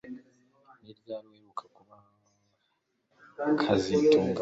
Ni ryari uheruka kubona kazitunga ku ishuri